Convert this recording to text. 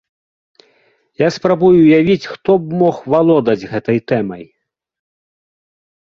Я спрабую ўявіць, хто б мог валодаць гэтай тэмай.